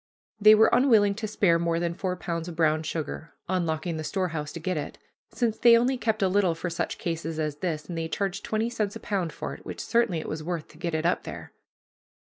They were unwilling to spare more than four pounds of brown sugar, unlocking the storehouse to get it, since they only kept a little for such cases as this, and they charged twenty cents a pound for it, which certainly it was worth to get it up there.